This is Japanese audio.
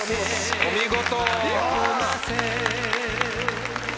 お見事！